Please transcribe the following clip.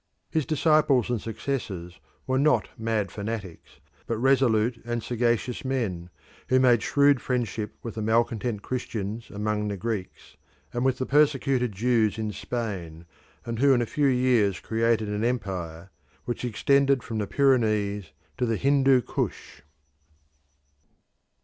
His disciples and successors were not mad fanatics but resolute and sagacious men, who made shrewd friendship with the malcontent Christians among the Greeks and with the persecuted Jews in Spain, and who in a few years created an empire which extended from the Pyrenees to the Hindu Kush.